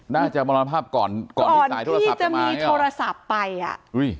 น่าจะมรณภาพก่อนที่จะมีโทรศัพท์ไปอ่ะ